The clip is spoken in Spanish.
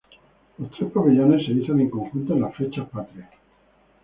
Los tres pabellones se izan en conjunto en las fechas patrias.